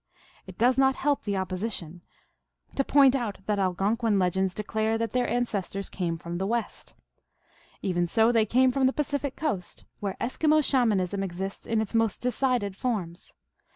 It does not help the " opposition " to 22 338 THE ALGONQUIN LEGENDS. point out that Algonquin legends declare that their ancestors came from the west. Even so, they came from the Pacific coast, where Eskimo Shamanism exists in its most decided forms.